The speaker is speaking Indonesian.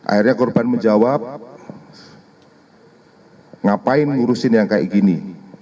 akhirnya korban menjawab ngapain ngurusin yang kayak gini